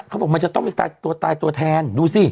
เขาบอกมันจะต้องมีตัวตายตัวแทนดูสิ